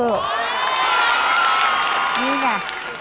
นี่ค่ะ